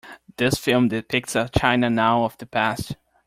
This film depicts a China now of the past.